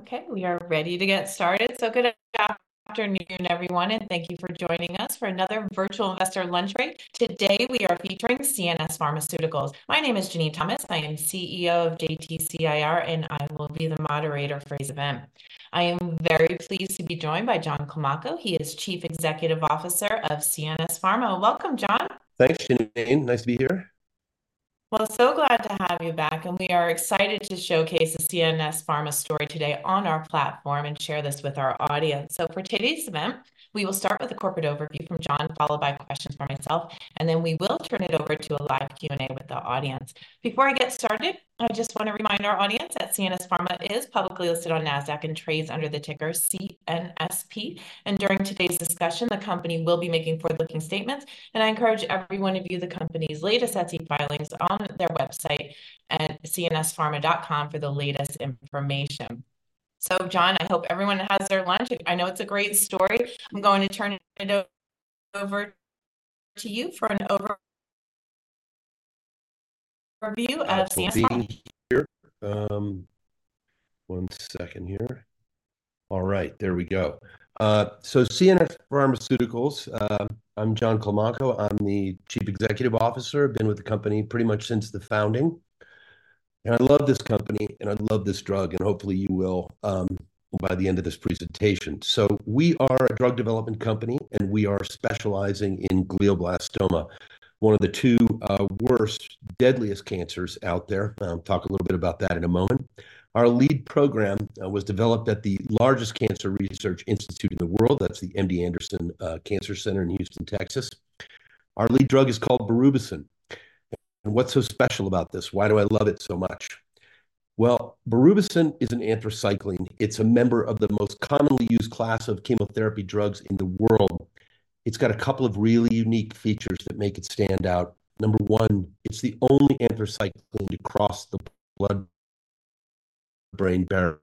Okay, we are ready to get started. So good afternoon, everyone, and thank you for joining us for another Virtual Investor Lunch Break. Today we are featuring CNS Pharmaceuticals. My name is Jenene Thomas. I am CEO of JTC IR, and I will be the moderator for this event. I am very pleased to be joined by John Climaco. He is Chief Executive Officer of CNS Pharma. Welcome, John. Thanks, Jenene. Nice to be here. Well, so glad to have you back. We are excited to showcase the CNS Pharma story today on our platform and share this with our audience. So for today's event, we will start with a corporate overview from John, followed by questions from myself, and then we will turn it over to a live Q&A with the audience. Before I get started, I just want to remind our audience that CNS Pharma is publicly listed on NASDAQ and trades under the ticker CNSP. And during today's discussion, the company will be making forward-looking statements, and I encourage everyone to view the company's latest SEC filings on their website at CNSPharma.com for the latest information. So, John, I hope everyone has their lunch. I know it's a great story. I'm going to turn it over to you for an overview of CNS Pharma. CNS Pharmaceuticals, I'm John Climaco. I'm the Chief Executive Officer. Been with the company pretty much since the founding. And I love this company, and I love this drug, and hopefully you will, by the end of this presentation. So we are a drug development company, and we are specializing in glioblastoma, one of the two worst, deadliest cancers out there. I'll talk a little bit about that in a moment. Our lead program was developed at the largest cancer research institute in the world. That's the MD Anderson Cancer Center in Houston, Texas. Our lead drug is called Berubicin. And what's so special about this? Why do I love it so much? Well, Berubicin is an anthracycline. It's a member of the most commonly used class of chemotherapy drugs in the world. It's got a couple of really unique features that make it stand out. Number one, it's the only anthracycline to cross the blood-brain barrier.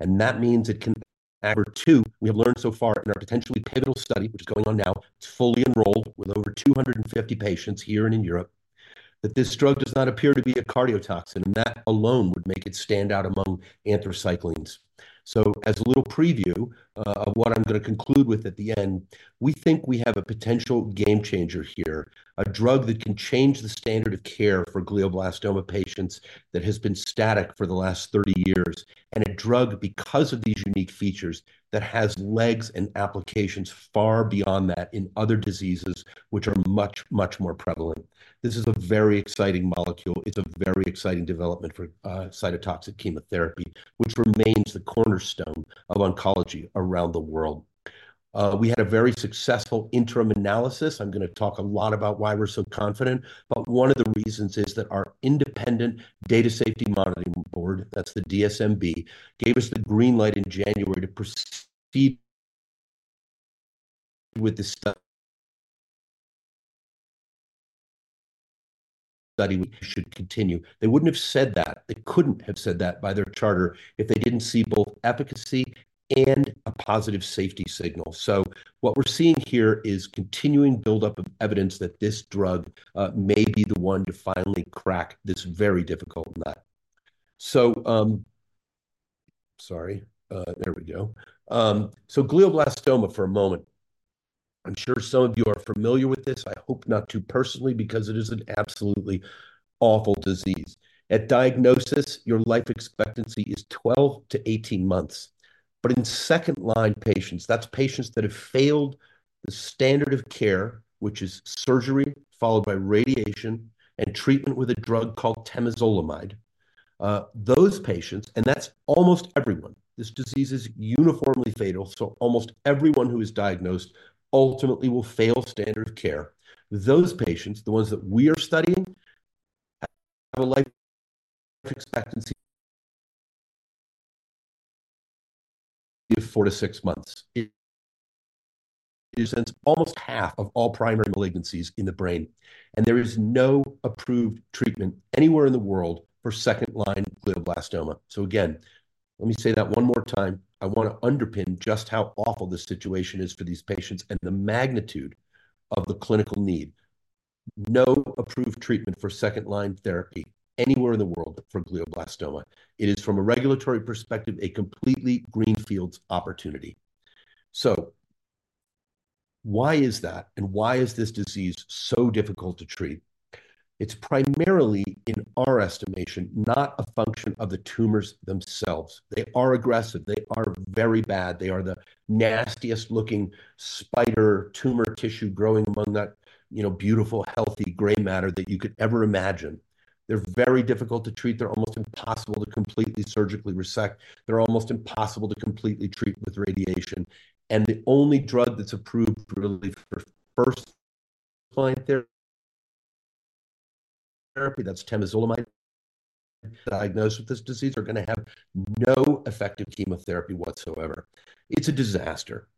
And that means it can. Number two, we have learned so far in our potentially pivotal study, which is going on now, it's fully enrolled with over 250 patients here and in Europe, that this drug does not appear to be cardiotoxic, and that alone would make it stand out among anthracyclines. So as a little preview of what I'm going to conclude with at the end, we think we have a potential game changer here, a drug that can change the standard of care for glioblastoma patients that has been static for the last 30 years, and a drug because of these unique features that has legs and applications far beyond that in other diseases which are much, much more prevalent. This is a very exciting molecule. It's a very exciting development for cytotoxic chemotherapy, which remains the cornerstone of oncology around the world. We had a very successful interim analysis. I'm going to talk a lot about why we're so confident, but one of the reasons is that our Independent Data Safety Monitoring Board, that's the DSMB, gave us the green light in January to proceed with this study. Study we should continue. They wouldn't have said that. They couldn't have said that by their charter if they didn't see both efficacy and a positive safety signal. So what we're seeing here is continuing buildup of evidence that this drug may be the one to finally crack this very difficult nut. So, sorry. There we go. So glioblastoma for a moment. I'm sure some of you are familiar with this. I hope not too personally because it is an absolutely awful disease. At diagnosis, your life expectancy is 12-18 months. But in second-line patients, that's patients that have failed the standard of care, which is surgery followed by radiation and treatment with a drug called temozolomide. Those patients, and that's almost everyone, this disease is uniformly fatal, so almost everyone who is diagnosed ultimately will fail standard of care. Those patients, the ones that we are studying, have a life expectancy of 4-6 months. It presents almost half of all primary malignancies in the brain. And there is no approved treatment anywhere in the world for second-line glioblastoma. So again, let me say that one more time. I want to underpin just how awful this situation is for these patients and the magnitude of the clinical need. No approved treatment for second-line therapy anywhere in the world for glioblastoma. It is, from a regulatory perspective, a completely greenfield opportunity. So why is that, and why is this disease so difficult to treat? It's primarily, in our estimation, not a function of the tumors themselves. They are aggressive. They are very bad. They are the nastiest-looking spider tumor tissue growing among that, you know, beautiful, healthy gray matter that you could ever imagine. They're very difficult to treat. They're almost impossible to completely surgically resect. They're almost impossible to completely treat with radiation. And the only drug that's approved really for first-line therapy, that's temozolomide, diagnosed with this disease, are going to have no effective chemotherapy whatsoever. It's a disaster.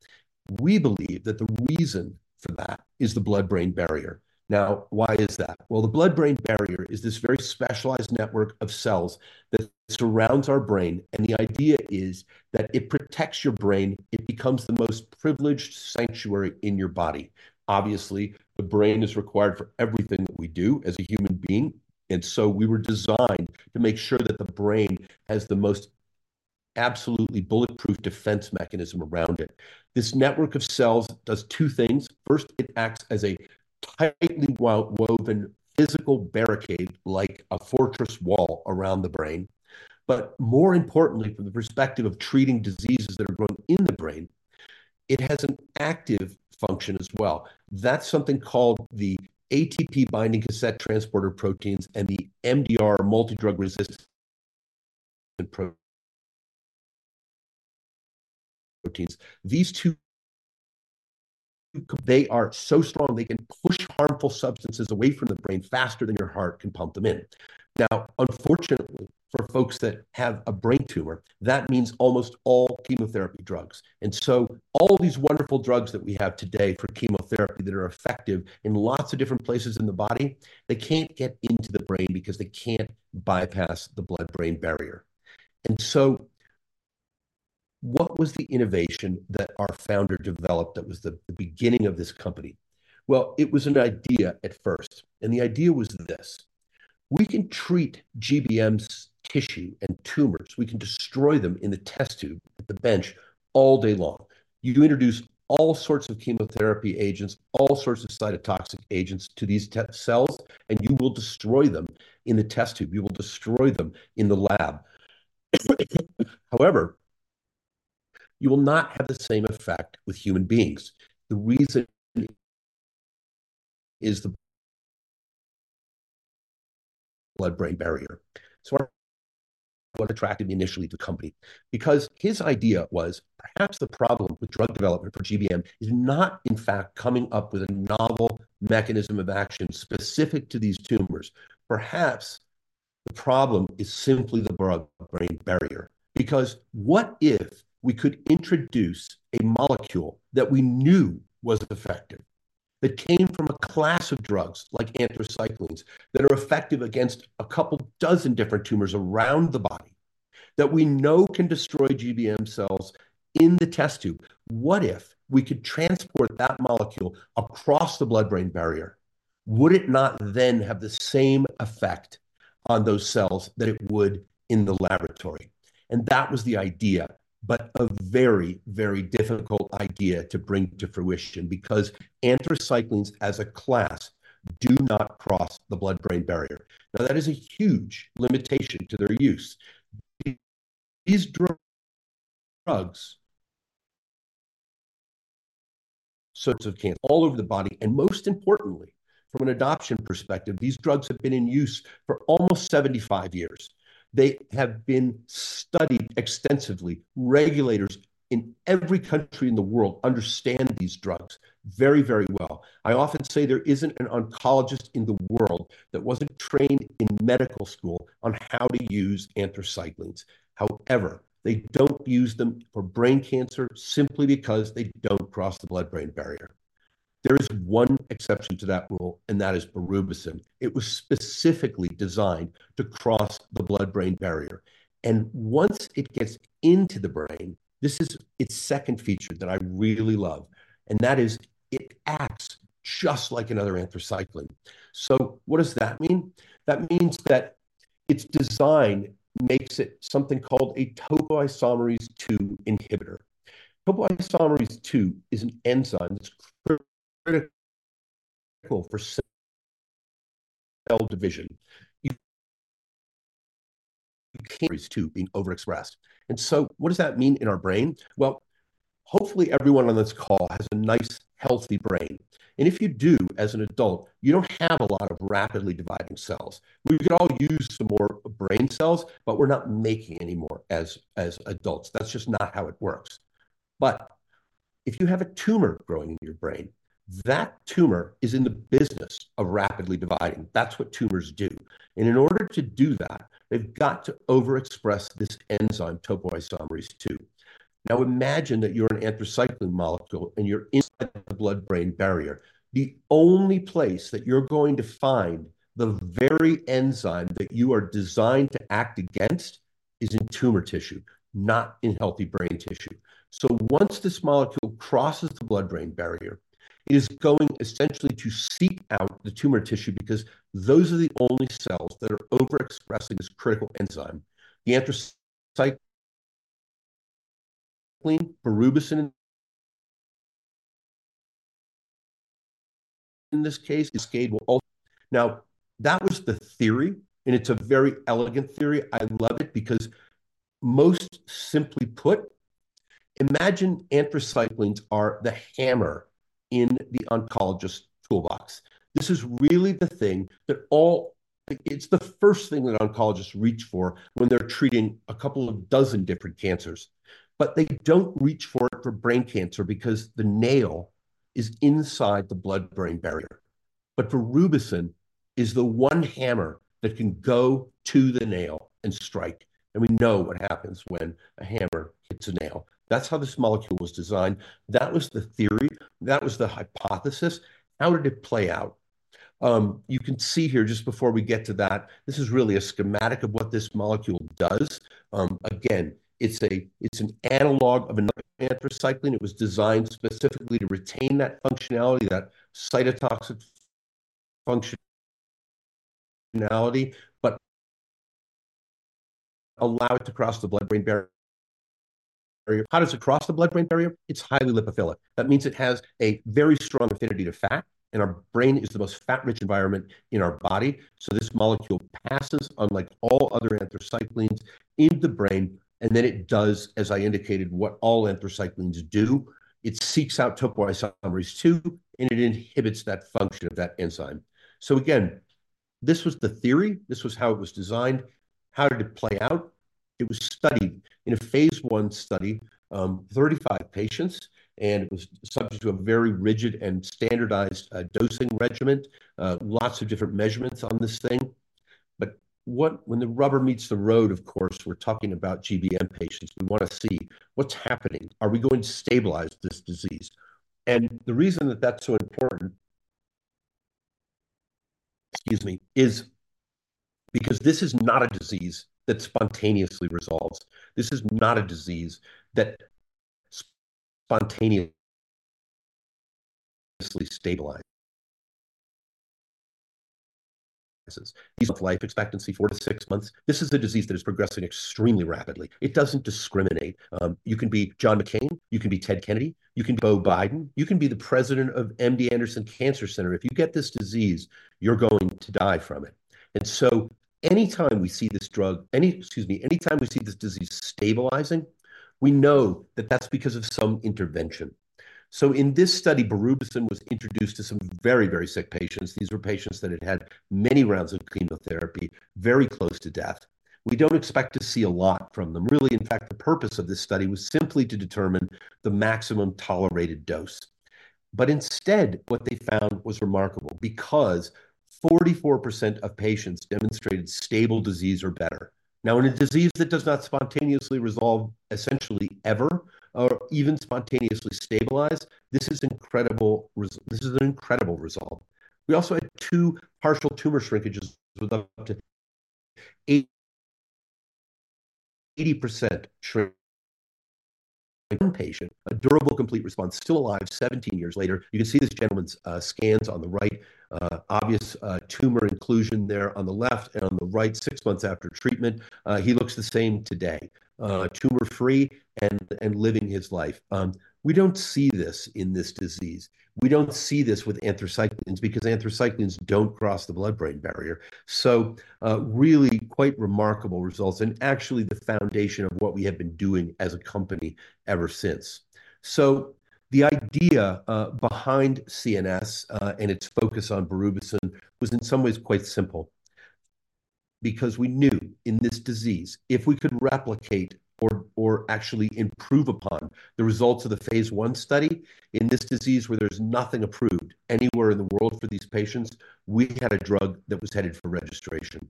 We believe that the reason for that is the blood-brain barrier. Now, why is that? Well, the blood-brain barrier is this very specialized network of cells that surrounds our brain, and the idea is that it protects your brain. It becomes the most privileged sanctuary in your body. Obviously, the brain is required for everything that we do as a human being, and so we were designed to make sure that the brain has the most absolutely bulletproof defense mechanism around it. This network of cells does two things. First, it acts as a tightly woven physical barricade, like a fortress wall around the brain. But more importantly, from the perspective of treating diseases that are growing in the brain, it has an active function as well. That's something called the ATP-binding cassette transporter proteins and the MDR, multi-drug resistance proteins. These two, they are so strong they can push harmful substances away from the brain faster than your heart can pump them in. Now, unfortunately, for folks that have a brain tumor, that means almost all chemotherapy drugs. And so all these wonderful drugs that we have today for chemotherapy that are effective in lots of different places in the body, they can't get into the brain because they can't bypass the blood-brain barrier. And so what was the innovation that our founder developed that was the beginning of this company? Well, it was an idea at first. And the idea was this: we can treat GBM's tissue and tumors. We can destroy them in the test tube at the bench all day long. You introduce all sorts of chemotherapy agents, all sorts of cytotoxic agents to these cells, and you will destroy them in the test tube. You will destroy them in the lab. However, you will not have the same effect with human beings. The reason is the blood-brain barrier. So what attracted me initially to the company? Because his idea was perhaps the problem with drug development for GBM is not, in fact, coming up with a novel mechanism of action specific to these tumors. Perhaps the problem is simply the blood-brain barrier. Because what if we could introduce a molecule that we knew was effective, that came from a class of drugs like anthracyclines, that are effective against a couple dozen different tumors around the body, that we know can destroy GBM cells in the test tube? What if we could transport that molecule across the blood-brain barrier? Would it not then have the same effect on those cells that it would in the laboratory? And that was the idea, but a very, very difficult idea to bring to fruition because anthracyclines as a class do not cross the blood-brain barrier. Now, that is a huge limitation to their use. These drugs treat all sorts of cancer all over the body. Most importantly, from an adoption perspective, these drugs have been in use for almost 75 years. They have been studied extensively. Regulators in every country in the world understand these drugs very, very well. I often say there isn't an oncologist in the world that wasn't trained in medical school on how to use anthracyclines. However, they don't use them for brain cancer simply because they don't cross the blood-brain barrier. There is one exception to that rule, and that is Berubicin. It was specifically designed to cross the blood-brain barrier. Once it gets into the brain, this is its second feature that I really love, and that is it acts just like another anthracycline. So what does that mean? That means that its design makes it something called a topoisomerase II inhibitor. Topoisomerase II is an enzyme that's critical for cell division. You can't have topoisomerase II being overexpressed. So what does that mean in our brain? Well, hopefully everyone on this call has a nice, healthy brain. And if you do, as an adult, you don't have a lot of rapidly dividing cells. We could all use some more brain cells, but we're not making any more as adults. That's just not how it works. But if you have a tumor growing in your brain, that tumor is in the business of rapidly dividing. That's what tumors do. And in order to do that, they've got to overexpress this enzyme, topoisomerase II. Now, imagine that you're an anthracycline molecule and you're inside the blood-brain barrier. The only place that you're going to find the very enzyme that you are designed to act against is in tumor tissue, not in healthy brain tissue. So once this molecule crosses the blood-brain barrier, it is going essentially to seek out the tumor tissue because those are the only cells that are overexpressing this critical enzyme. The anthracycline, Berubicin in this case, that was the theory, and it's a very elegant theory. I love it because, most simply put, imagine anthracyclines are the hammer in the oncologist's toolbox. This is really the thing that all it's the first thing that oncologists reach for when they're treating a couple of dozen different cancers. But they don't reach for it for brain cancer because the nail is inside the blood-brain barrier. But Berubicin is the one hammer that can go to the nail and strike. We know what happens when a hammer hits a nail. That's how this molecule was designed. That was the theory. That was the hypothesis. How did it play out? You can see here just before we get to that, this is really a schematic of what this molecule does. Again, it's an analog of another anthracycline. It was designed specifically to retain that functionality, that cytotoxic functionality, but allow it to cross the blood-brain barrier. How does it cross the blood-brain barrier? It's highly lipophilic. That means it has a very strong affinity to fat, and our brain is the most fat-rich environment in our body. So this molecule passes, unlike all other anthracyclines, into the brain, and then it does, as I indicated, what all anthracyclines do. It seeks out topoisomerase II, and it inhibits that function of that enzyme. So again, this was the theory. This was how it was designed. How did it play out? It was studied in a phase 1 study, 35 patients, and it was subject to a very rigid and standardized dosing regimen, lots of different measurements on this thing. But what, when the rubber meets the road, of course, we're talking about GBM patients. We want to see what's happening. Are we going to stabilize this disease? And the reason that that's so important, excuse me, is because this is not a disease that spontaneously resolves. This is not a disease that spontaneously stabilizes. These months life expectancy, 4-6 months. This is a disease that is progressing extremely rapidly. It doesn't discriminate. You can be John McCain. You can be Ted Kennedy. You can be Joe Biden. You can be the president of MD Anderson Cancer Center. If you get this disease, you're going to die from it. And so anytime we see this disease stabilizing, we know that that's because of some intervention. So in this study, Berubicin was introduced to some very, very sick patients. These were patients that had had many rounds of chemotherapy, very close to death. We don't expect to see a lot from them. Really, in fact, the purpose of this study was simply to determine the maximum tolerated dose. But instead, what they found was remarkable because 44% of patients demonstrated stable disease or better. Now, in a disease that does not spontaneously resolve essentially ever or even spontaneously stabilize, this is incredible result. This is an incredible result. We also had two partial tumor shrinkages with up to 80% shrinkage. One patient, a durable complete response, still alive 17 years later. You can see this gentleman's scans on the right, obvious tumor inclusion there on the left and on the right six months after treatment. He looks the same today, tumor-free and living his life. We don't see this in this disease. We don't see this with anthracyclines because anthracyclines don't cross the blood-brain barrier. So, really quite remarkable results and actually the foundation of what we have been doing as a company ever since. So the idea behind CNS and its focus on Berubicin was in some ways quite simple because we knew in this disease, if we could replicate or actually improve upon the results of the phase 1 study in this disease where there's nothing approved anywhere in the world for these patients, we had a drug that was headed for registration.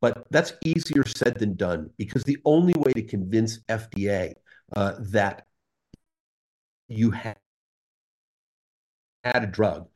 But that's easier said than done because the only way to convince FDA that you had a drug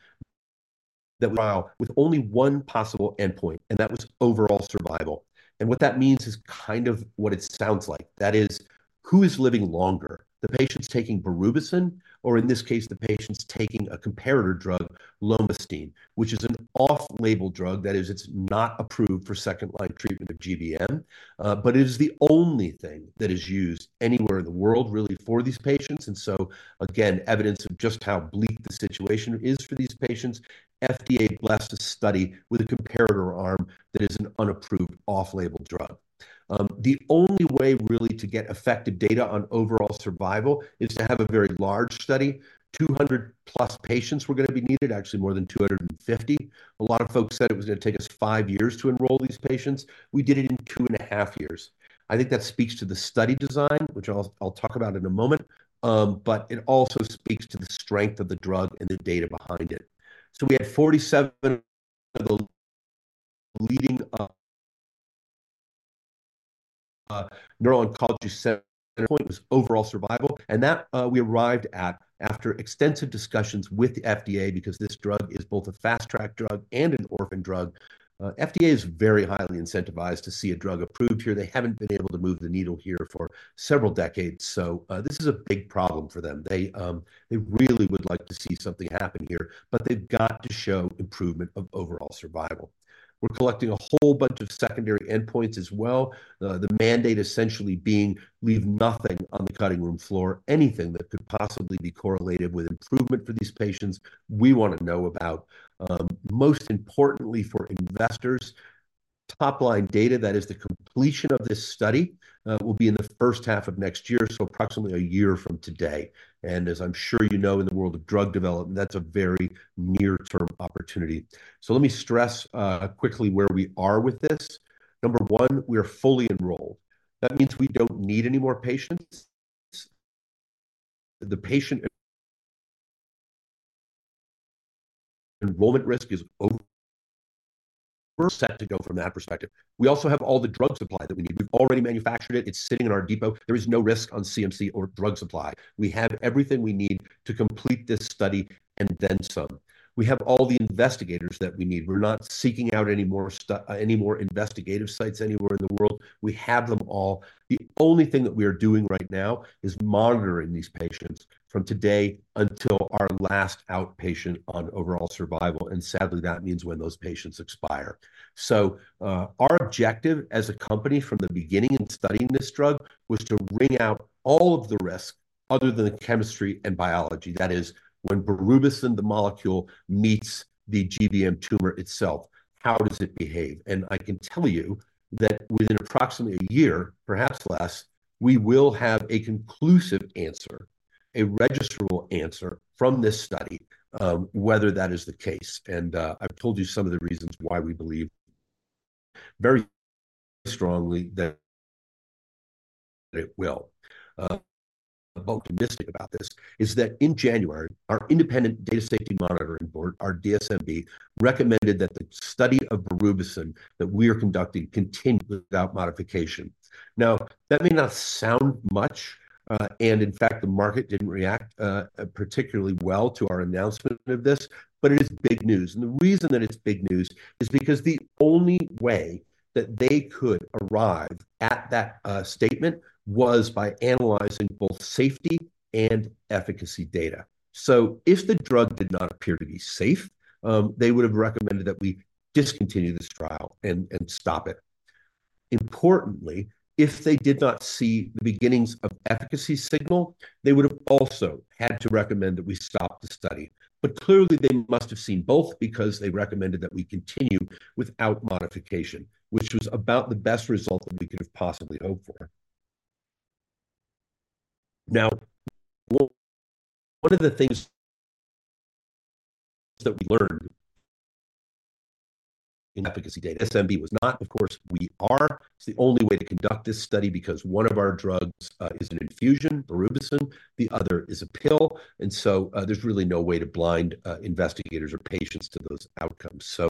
that was trial with only one possible endpoint, and that was overall survival. What that means is kind of what it sounds like. That is, who is living longer? The patients taking Berubicin or in this case, the patients taking a comparator drug, lomustine, which is an off-label drug. That is, it's not approved for second-line treatment of GBM, but it is the only thing that is used anywhere in the world really for these patients. And so again, evidence of just how bleak the situation is for these patients. FDA blessed a study with a comparator arm that is an unapproved off-label drug. The only way really to get effective data on overall survival is to have a very large study. 200+ patients were going to be needed, actually more than 250. A lot of folks said it was going to take us 5 years to enroll these patients. We did it in 2.5 years. I think that speaks to the study design, which I'll talk about in a moment. But it also speaks to the strength of the drug and the data behind it. So we had 47 of the leading neuro-oncology centers. Point was overall survival. And that, we arrived at after extensive discussions with the FDA because this drug is both a fast-track drug and an orphan drug. FDA is very highly incentivized to see a drug approved here. They haven't been able to move the needle here for several decades. So, this is a big problem for them. They really would like to see something happen here, but they've got to show improvement of overall survival. We're collecting a whole bunch of secondary endpoints as well. The mandate essentially being leave nothing on the cutting room floor, anything that could possibly be correlated with improvement for these patients. We want to know about, most importantly for investors, top-line data. That is the completion of this study, will be in the first half of next year, so approximately a year from today. And as I'm sure you know, in the world of drug development, that's a very near-term opportunity. So let me stress, quickly where we are with this. Number one, we are fully enrolled. That means we don't need any more patients. The patient enrollment risk is over, set to go from that perspective. We also have all the drug supply that we need. We've already manufactured it. It's sitting in our depot. There is no risk on CMC or drug supply. We have everything we need to complete this study and then some. We have all the investigators that we need. We're not seeking out any more stuff, any more investigative sites anywhere in the world. We have them all. The only thing that we are doing right now is monitoring these patients from today until our last outpatient on overall survival. And sadly, that means when those patients expire. So, our objective as a company from the beginning in studying this drug was to wring out all of the risk other than the chemistry and biology. That is, when Berubicin, the molecule, meets the GBM tumor itself, how does it behave? And I can tell you that within approximately a year, perhaps less, we will have a conclusive answer, a registrable answer from this study, whether that is the case. And I've told you some of the reasons why we believe very strongly that it will. Optimistic about this is that in January, our Independent Data Safety Monitoring Board, our DSMB, recommended that the study of Berubicin that we are conducting continue without modification. Now, that may not sound much, and in fact, the market didn't react particularly well to our announcement of this, but it is big news. And the reason that it's big news is because the only way that they could arrive at that statement was by analyzing both safety and efficacy data. So if the drug did not appear to be safe, they would have recommended that we discontinue this trial and stop it. Importantly, if they did not see the beginnings of efficacy signal, they would have also had to recommend that we stop the study. But clearly, they must have seen both because they recommended that we continue without modification, which was about the best result that we could have possibly hoped for. Now, one of the things that we learned in efficacy data, DSMB was not, of course, we are. It's the only way to conduct this study because one of our drugs is an infusion, Berubicin. The other is a pill. And so, there's really no way to blind investigators or patients to those outcomes. So,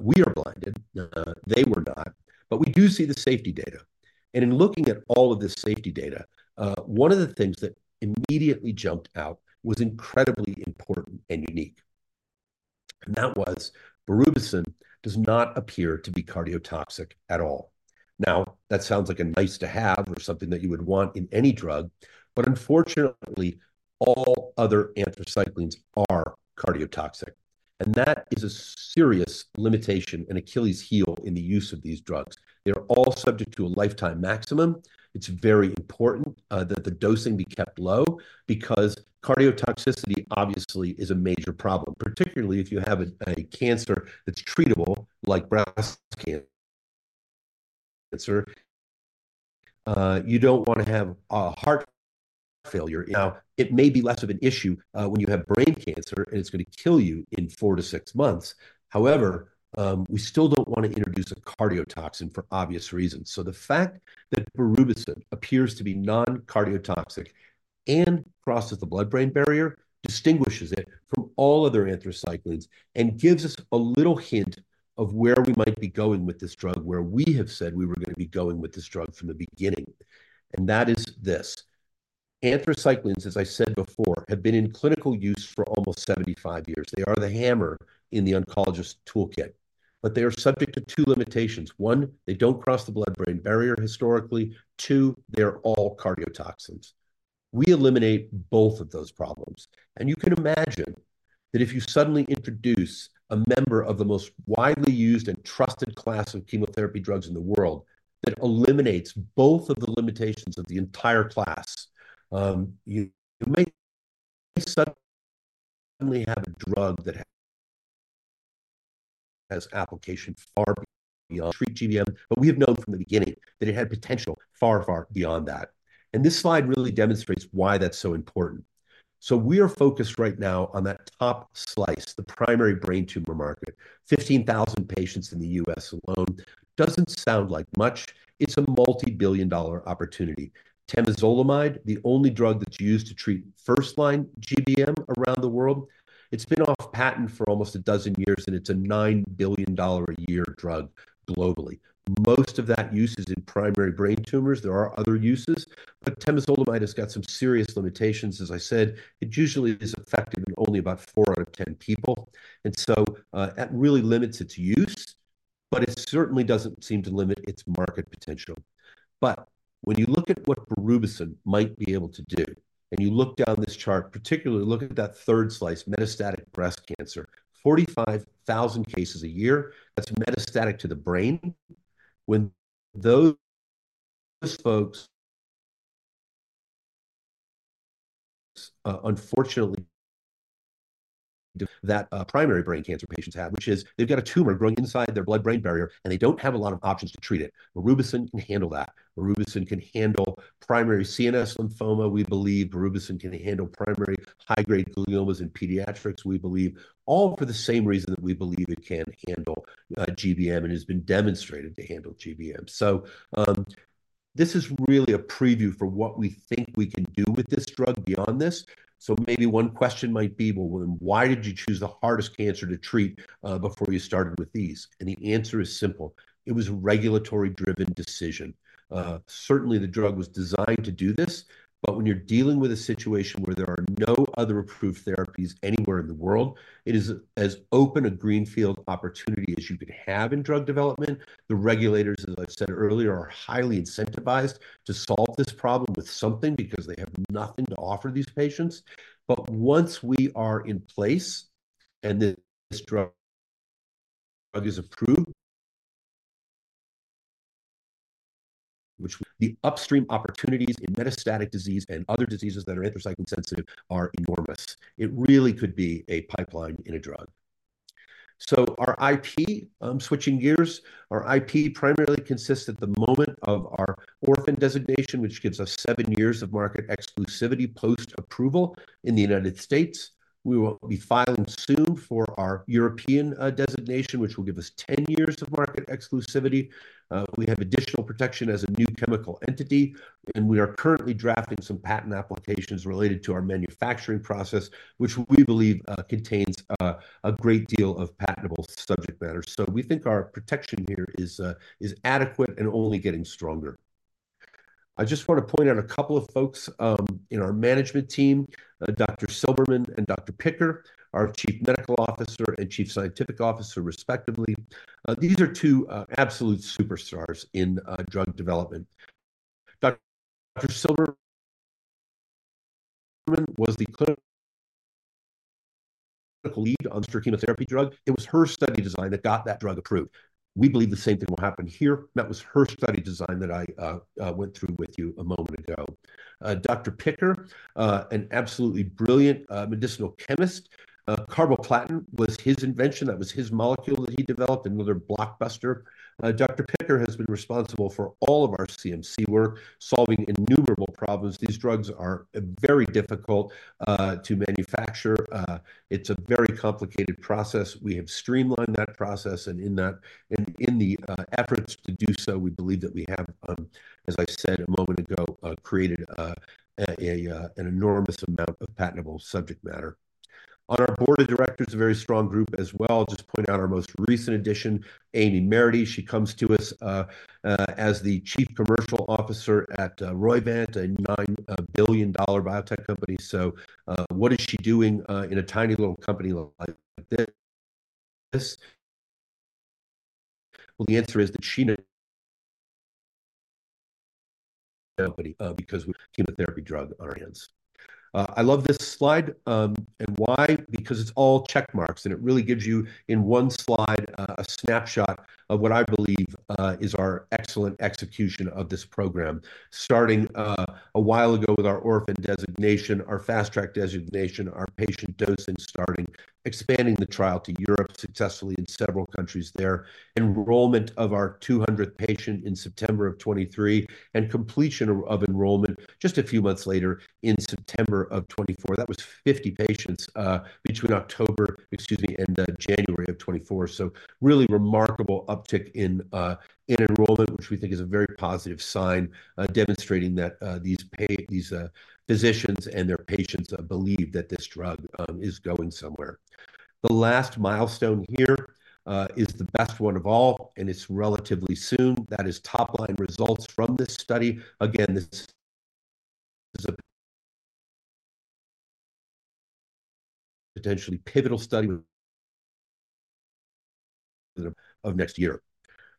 we are blinded. They were not. But we do see the safety data. And in looking at all of this safety data, one of the things that immediately jumped out was incredibly important and unique. And that was Berubicin does not appear to be cardiotoxic at all. Now, that sounds like a nice-to-have or something that you would want in any drug, but unfortunately, all other anthracyclines are cardiotoxic. That is a serious limitation and Achilles' heel in the use of these drugs. They're all subject to a lifetime maximum. It's very important that the dosing be kept low because cardiotoxicity obviously is a major problem, particularly if you have a cancer that's treatable like breast cancer. You don't want to have a heart failure. Now, it may be less of an issue when you have brain cancer and it's going to kill you in 4-6 months. However, we still don't want to introduce a cardiotoxin for obvious reasons. So the fact that Berubicin appears to be non-cardiotoxic and crosses the blood-brain barrier distinguishes it from all other anthracyclines and gives us a little hint of where we might be going with this drug, where we have said we were going to be going with this drug from the beginning. And that is this. Anthracyclines, as I said before, have been in clinical use for almost 75 years. They are the hammer in the oncologist's toolkit, but they are subject to two limitations. One, they don't cross the blood-brain barrier historically. Two, they are all cardiotoxins. We eliminate both of those problems. You can imagine that if you suddenly introduce a member of the most widely used and trusted class of chemotherapy drugs in the world that eliminates both of the limitations of the entire class, you may suddenly have a drug that has application far beyond treating GBM, but we have known from the beginning that it had potential far, far beyond that. This slide really demonstrates why that's so important. We are focused right now on that top slice, the primary brain tumor market. 15,000 patients in the U.S. alone doesn't sound like much. It's a multi-billion dollar opportunity. Temozolomide, the only drug that's used to treat first-line GBM around the world. It's been off patent for almost a dozen years, and it's a $9 billion a year drug globally. Most of that use is in primary brain tumors. There are other uses, but temozolomide has got some serious limitations. As I said, it usually is effective in only about 4 out of 10 people. And so, that really limits its use, but it certainly doesn't seem to limit its market potential. But when you look at what Berubicin might be able to do, and you look down this chart, particularly look at that third slice, metastatic breast cancer, 45,000 cases a year. That's metastatic to the brain. When those folks, unfortunately, primary brain cancer patients have, which is they've got a tumor growing inside their blood-brain barrier and they don't have a lot of options to treat it. Berubicin can handle that. Berubicin can handle primary CNS lymphoma. We believe Berubicin can handle primary high-grade gliomas in pediatrics. We believe all for the same reason that we believe it can handle GBM and has been demonstrated to handle GBM. So, this is really a preview for what we think we can do with this drug beyond this. So maybe one question might be, well, then why did you choose the hardest cancer to treat before you started with these? The answer is simple. It was a regulatory-driven decision. Certainly the drug was designed to do this, but when you're dealing with a situation where there are no other approved therapies anywhere in the world, it is as open a greenfield opportunity as you could have in drug development. The regulators, as I've said earlier, are highly incentivized to solve this problem with something because they have nothing to offer these patients. But once we are in place and this drug is approved, which. The upstream opportunities in metastatic disease and other diseases that are anthracycline sensitive are enormous. It really could be a pipeline in a drug. So our IP, I'm switching gears. Our IP primarily consists at the moment of our orphan designation, which gives us seven years of market exclusivity post-approval in the United States. We will be filing soon for our European designation, which will give us 10 years of market exclusivity. We have additional protection as a new chemical entity, and we are currently drafting some patent applications related to our manufacturing process, which we believe contains a great deal of patentable subject matter. So we think our protection here is adequate and only getting stronger. I just want to point out a couple of folks in our management team, Dr. Silberman and Dr. Picker, our Chief Medical Officer and Chief Scientific Officer, respectively. These are two absolute superstars in drug development. Dr. Silberman was the clinical lead on her chemotherapy drug. It was her study design that got that drug approved. We believe the same thing will happen here. That was her study design that I went through with you a moment ago. Dr. Picker, an absolutely brilliant medicinal chemist. carboplatin was his invention. That was his molecule that he developed. Another blockbuster. Dr. Picker has been responsible for all of our CMC work, solving innumerable problems. These drugs are very difficult to manufacture. It's a very complicated process. We have streamlined that process and in that and in the efforts to do so, we believe that we have, as I said a moment ago, created an enormous amount of patentable subject matter. On our board of directors, a very strong group as well. I'll just point out our most recent addition, Amy Mahery. She comes to us, as the Chief Commercial Officer at Roivant, a $9 billion biotech company. So, what is she doing, in a tiny little company like this? Well, the answer is that she knows the company, because we have a chemotherapy drug on our hands. I love this slide, and why? Because it's all checkmarks and it really gives you in one slide, a snapshot of what I believe, is our excellent execution of this program, starting, a while ago with our orphan designation, our fast-track designation, our patient dosing starting, expanding the trial to Europe successfully in several countries there, enrollment of our 200th patient in September of 2023, and completion of enrollment just a few months later in September of 2024. That was 50 patients, between October, excuse me, and, January of 2024. So really remarkable uptick in enrollment, which we think is a very positive sign, demonstrating that these physicians and their patients believe that this drug is going somewhere. The last milestone here is the best one of all, and it's relatively soon. That is top-line results from this study. Again, this is a potentially pivotal study of next year.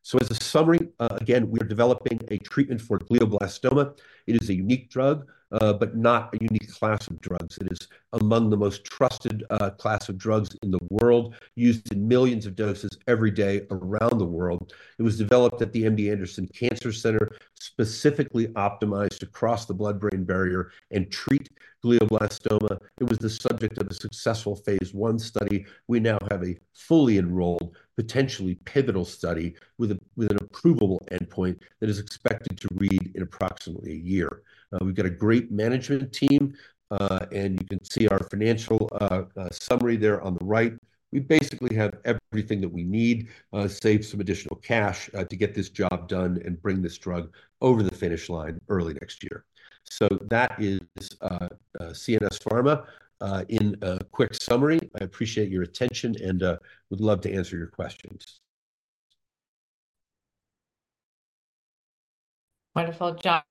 So as a summary, again, we are developing a treatment for glioblastoma. It is a unique drug, but not a unique class of drugs. It is among the most trusted class of drugs in the world, used in millions of doses every day around the world. It was developed at the MD Anderson Cancer Center, specifically optimized to cross the blood-brain barrier and treat glioblastoma. It was the subject of a successful phase I study. We now have a fully enrolled, potentially pivotal study with an approval endpoint that is expected to read in approximately a year. We've got a great management team, and you can see our financial summary there on the right. We basically have everything that we need, save some additional cash, to get this job done and bring this drug over the finish line early next year. So that is CNS Pharma, in a quick summary. I appreciate your attention and would love to answer your questions. Wonderful, John.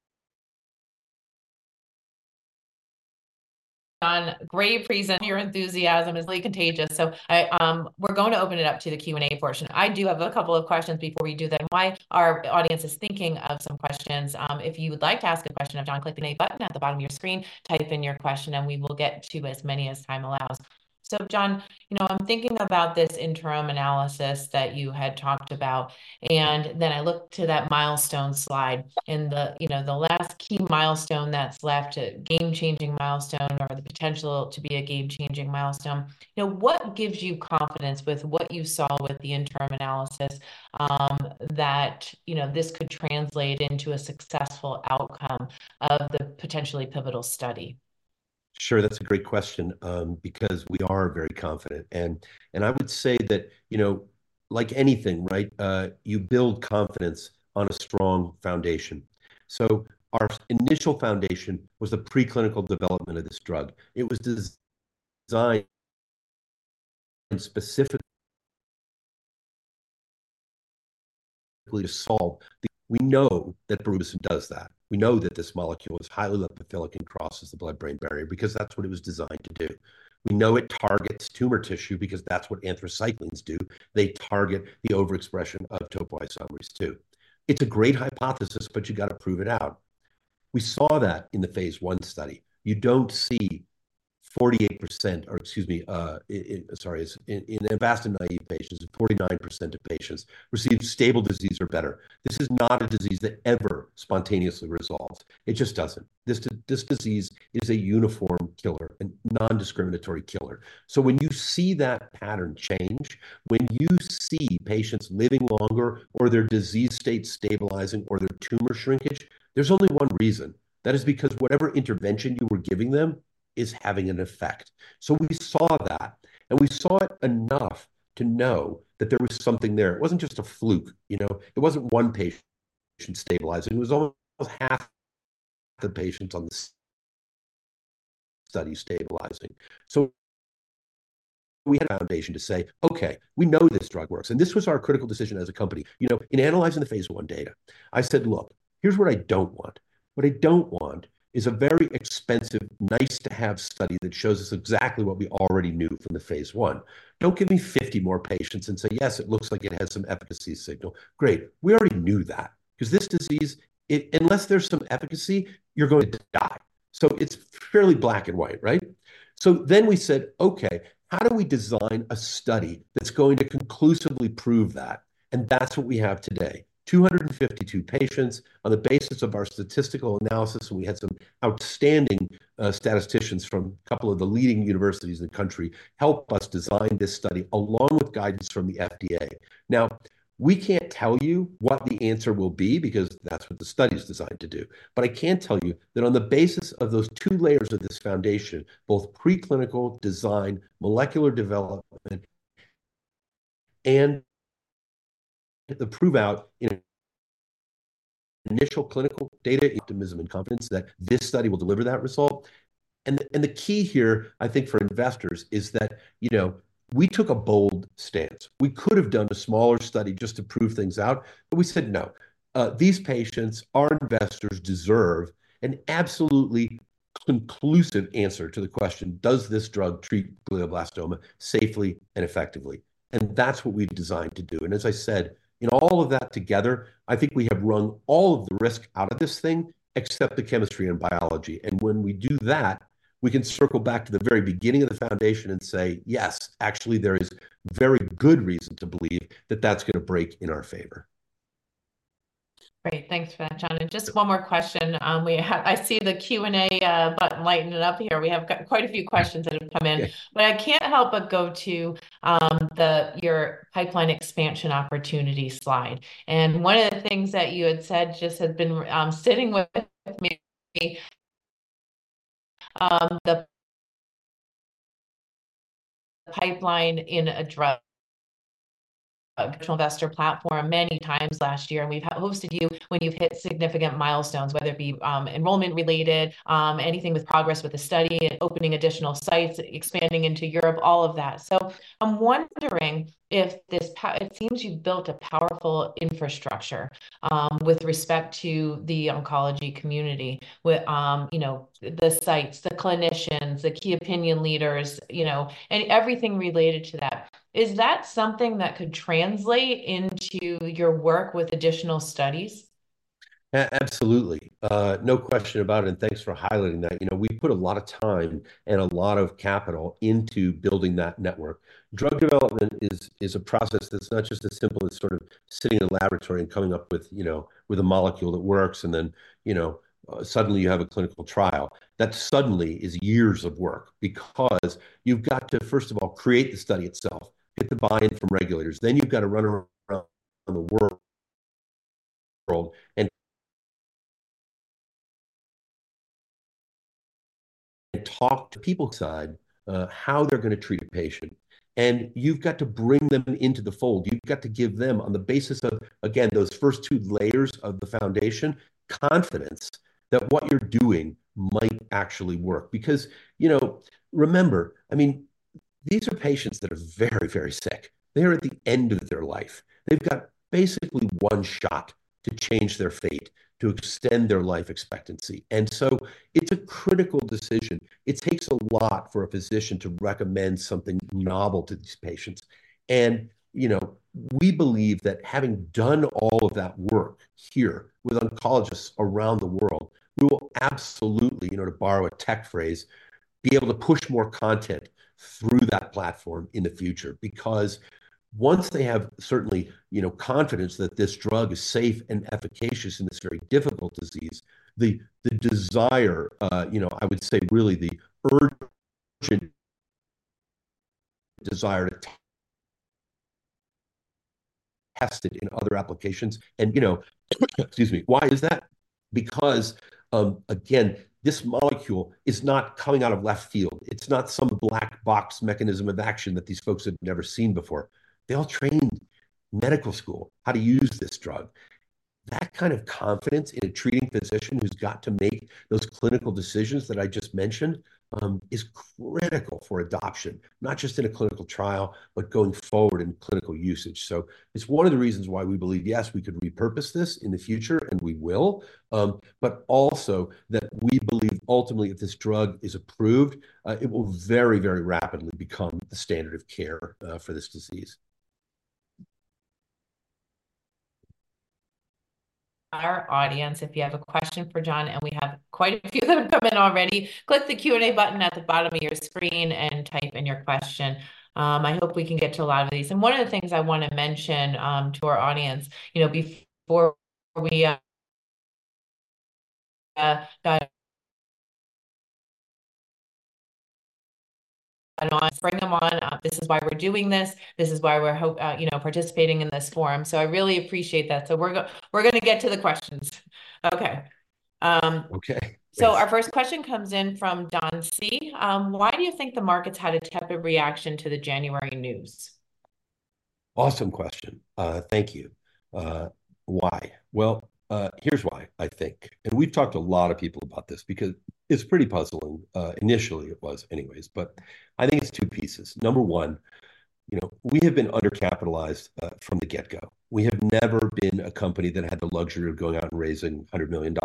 John, great presentation. Your enthusiasm is really contagious. So we're going to open it up to the Q&A portion. I do have a couple of questions before we do that. And while audiences are thinking of some questions? If you would like to ask a question, John, click the button at the bottom of your screen, type in your question, and we will get to as many as time allows. So, John, you know, I'm thinking about this interim analysis that you had talked about, and then I looked to that milestone slide in the, you know, the last key milestone that's left, a game-changing milestone or the potential to be a game-changing milestone. You know, what gives you confidence with what you saw with the interim analysis, that, you know, this could translate into a successful outcome of the potentially pivotal study? Sure, that's a great question, because we are very confident. And I would say that, you know, like anything, right, you build confidence on a strong foundation. So our initial foundation was the preclinical development of this drug. It was designed specifically to solve the. We know that Berubicin does that. We know that this molecule is highly lipophilic and crosses the blood-brain barrier because that's what it was designed to do. We know it targets tumor tissue because that's what anthracyclines do. They target the overexpression of topoisomerase II. It's a great hypothesis, but you got to prove it out. We saw that in the phase one study. You don't see 48% or, excuse me, sorry, in Avastin-naive patients, 49% of patients receive stable disease or better. This is not a disease that ever spontaneously resolves. It just doesn't. This disease is a uniform killer and nondiscriminatory killer. So when you see that pattern change, when you see patients living longer or their disease state stabilizing or their tumor shrinkage, there's only one reason. That is because whatever intervention you were giving them is having an effect. So we saw that, and we saw it enough to know that there was something there. It wasn't just a fluke, you know. It wasn't one patient stabilizing. It was almost half the patients on the study stabilizing. So we had a foundation to say, okay, we know this drug works. And this was our critical decision as a company, you know, in analyzing the phase 1 data. I said, look, here's what I don't want. What I don't want is a very expensive, nice-to-have study that shows us exactly what we already knew from the phase I. Don't give me 50 more patients and say, yes, it looks like it has some efficacy signal. Great. We already knew that because this disease, unless there's some efficacy, you're going to die. It's fairly black and white, right? Then we said, okay, how do we design a study that's going to conclusively prove that? That's what we have today. 252 patients on the basis of our statistical analysis, and we had some outstanding statisticians from a couple of the leading universities in the country help us design this study along with guidance from the FDA. Now, we can't tell you what the answer will be because that's what the study is designed to do. But I can tell you that on the basis of those two layers of this foundation, both preclinical design, molecular development, and the prove-out in initial clinical data, optimism, and confidence that this study will deliver that result. The key here, I think, for investors is that, you know, we took a bold stance. We could have done a smaller study just to prove things out, but we said, no. These patients, our investors deserve an absolutely conclusive answer to the question, does this drug treat glioblastoma safely and effectively? And that's what we've designed to do. And as I said, in all of that together, I think we have rung all of the risk out of this thing except the chemistry and biology. And when we do that, we can circle back to the very beginning of the foundation and say, yes, actually, there is very good reason to believe that that's going to break in our favor. Great. Thanks for that, John. And just one more question. I see the Q&A button lighting up here. We have quite a few questions that have come in, but I can't help but go to your pipeline expansion opportunity slide. One of the things that you had said just had been, sitting with me, the pipeline in a drug investor platform many times last year, and we've hosted you when you've hit significant milestones, whether it be, enrollment-related, anything with progress with the study, opening additional sites, expanding into Europe, all of that. So I'm wondering if this it seems you've built a powerful infrastructure, with respect to the oncology community, with, you know, the sites, the clinicians, the key opinion leaders, you know, and everything related to that. Is that something that could translate into your work with additional studies? Absolutely. No question about it. Thanks for highlighting that. You know, we put a lot of time and a lot of capital into building that network. Drug development is a process that's not just as simple as sort of sitting in a laboratory and coming up with, you know, with a molecule that works and then, you know, suddenly you have a clinical trial. That suddenly is years of work because you've got to, first of all, create the study itself, get the buy-in from regulators. Then you've got to run around the world and talk to people sites, how they're going to treat a patient. And you've got to bring them into the fold. You've got to give them, on the basis of, again, those first two layers of the foundation, confidence that what you're doing might actually work. Because, you know, remember, I mean, these are patients that are very, very sick. They are at the end of their life. They've got basically one shot to change their fate, to extend their life expectancy. So it's a critical decision. It takes a lot for a physician to recommend something novel to these patients. And, you know, we believe that having done all of that work here with oncologists around the world, we will absolutely, you know, to borrow a tech phrase, be able to push more content through that platform in the future. Because once they have certainly, you know, confidence that this drug is safe and efficacious in this very difficult disease, the desire, you know, I would say really the urgent desire to test it in other applications. And, you know, excuse me, why is that? Because, again, this molecule is not coming out of left field. It's not some black box mechanism of action that these folks have never seen before. They all trained medical school how to use this drug. That kind of confidence in a treating physician who's got to make those clinical decisions that I just mentioned, is critical for adoption, not just in a clinical trial, but going forward in clinical usage. So it's one of the reasons why we believe, yes, we could repurpose this in the future, and we will, but also that we believe ultimately if this drug is approved, it will very, very rapidly become the standard of care, for this disease. Our audience, if you have a question for John, and we have quite a few that have come in already, click the Q&A button at the bottom of your screen and type in your question. I hope we can get to a lot of these. And one of the things I want to mention to our audience, you know, before we bring them on, this is why we're doing this. This is why we're hoping, you know, participating in this forum. So I really appreciate that. So we're going to get to the questions. Okay. So our first question comes in from Don C. Why do you think the market's had a tepid reaction to the January news? Awesome question. Thank you. Why? Well, here's why, I think. And we've talked to a lot of people about this because it's pretty puzzling. Initially it was anyways. But I think it's two pieces. Number one, you know, we have been undercapitalized from the get-go. We have never been a company that had the luxury of going out and raising $100 million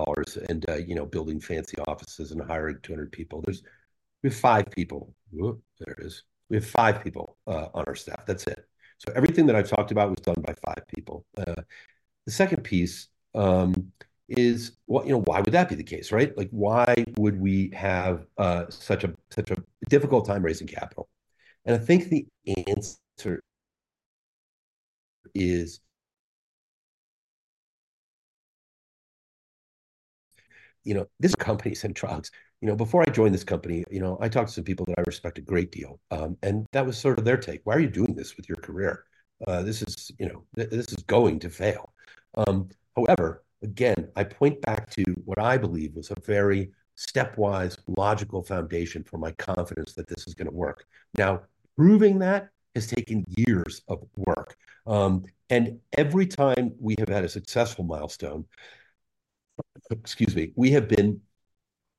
and, you know, building fancy offices and hiring 200 people. There, we have five people. Whoop, there it is. We have five people on our staff. That's it. So everything that I've talked about was done by five people. The second piece is, well, you know, why would that be the case, right? Like, why would we have such a difficult time raising capital? And I think the answer is, you know, CNS drugs. You know, before I joined this company, you know, I talked to some people that I respect a great deal. And that was sort of their take. Why are you doing this with your career? This is, you know, this is going to fail. However, again, I point back to what I believe was a very stepwise, logical foundation for my confidence that this is going to work. Now, proving that has taken years of work. And every time we have had a successful milestone, excuse me, we have been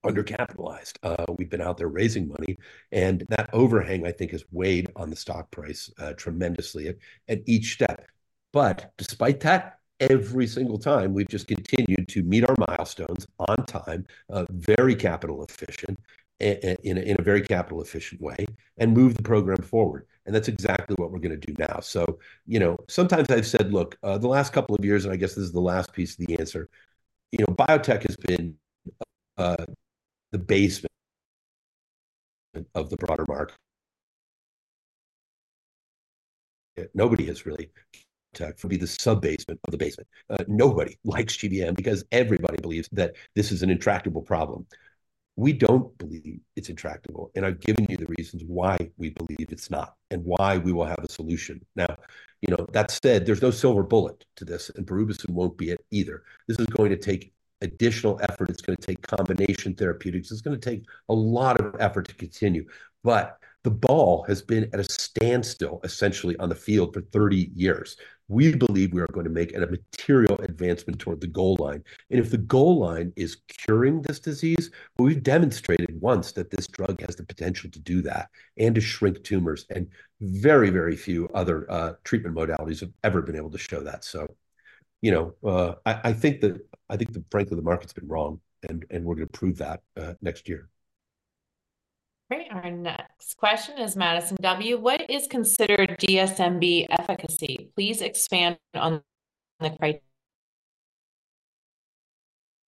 undercapitalized. We've been out there raising money. And that overhang, I think, has weighed on the stock price, tremendously at each step. But despite that, every single time, we've just continued to meet our milestones on time, very capital-efficient and in a very capital-efficient way, and move the program forward. And that's exactly what we're going to do now. So, you know, sometimes I've said, look, the last couple of years, and I guess this is the last piece of the answer, you know, biotech has been, the basement of the broader market. Nobody has really. Biotech would be the sub-basement of the basement. Nobody likes GBM because everybody believes that this is an intractable problem. We don't believe it's intractable. I've given you the reasons why we believe it's not and why we will have a solution. Now, you know, that said, there's no silver bullet to this, and Berubicin won't be it either. This is going to take additional effort. It's going to take combination therapeutics. It's going to take a lot of effort to continue. The ball has been at a standstill, essentially, on the field for 30 years. We believe we are going to make a material advancement toward the goal line. If the goal line is curing this disease, well, we've demonstrated once that this drug has the potential to do that and to shrink tumors and very, very few other treatment modalities have ever been able to show that. You know, I think that, frankly, the market's been wrong, and we're going to prove that next year. Great. Our next question is Madison W. What is considered DSMB efficacy? Please expand on the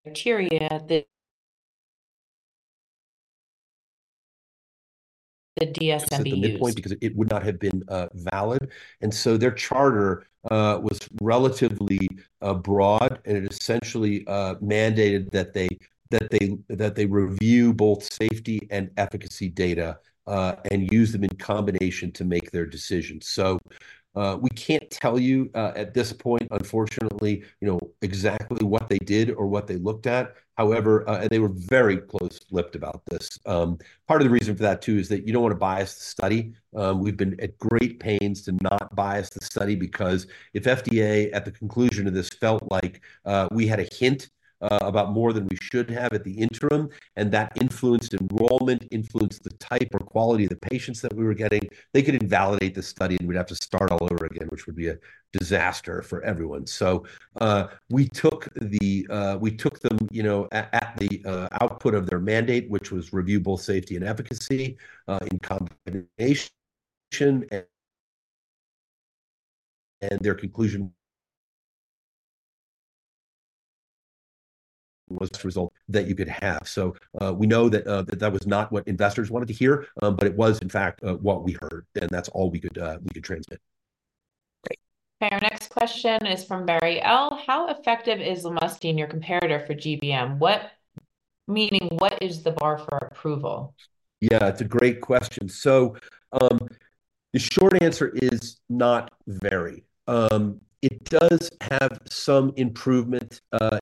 criteria that the DSMB is considered. That's a midpoint because it would not have been valid. And so their charter was relatively broad, and it essentially mandated that they review both safety and efficacy data, and use them in combination to make their decisions. So, we can't tell you, at this point, unfortunately, you know, exactly what they did or what they looked at. However, they were very closed-lipped about this. Part of the reason for that, too, is that you don't want to bias the study. We've been at great pains to not bias the study because if FDA, at the conclusion of this, felt like we had a hint about more than we should have at the interim, and that influenced enrollment, influenced the type or quality of the patients that we were getting, they could invalidate the study and we'd have to start all over again, which would be a disaster for everyone. So, we took them, you know, at the output of their mandate, which was review both safety and efficacy in combination, and their conclusion was result that you could have. So, we know that that was not what investors wanted to hear, but it was, in fact, what we heard. And that's all we could transmit. Great. Okay. Our next question is from Barry L. How effective is Lomustine, your competitor for GBM? What meaning, what is the bar for approval? Yeah, it's a great question. So, the short answer is not very. It does have some improvement,